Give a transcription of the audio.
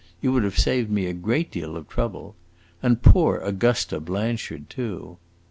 You would have saved me a great deal of trouble. And poor Augusta Blanchard too!"